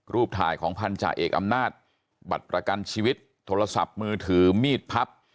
ถ่ายของพันธาเอกอำนาจบัตรประกันชีวิตโทรศัพท์มือถือมีดพับ